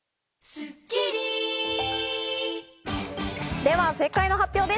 では正解の発表です。